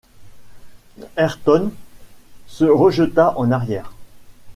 Ayrton se rejeta en arrière.